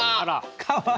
かわいい。